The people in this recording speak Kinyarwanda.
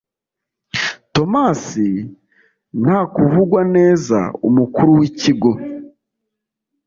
thomas ntakuvugwaneza, umukuru w’ikigo